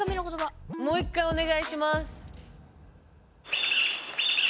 もう一回お願いします！